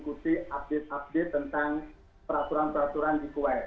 mengikuti update update tentang peraturan peraturan di kuwait